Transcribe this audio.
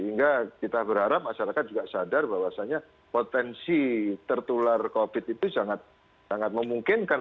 sehingga kita berharap masyarakat juga sadar bahwasannya potensi tertular covid itu sangat memungkinkan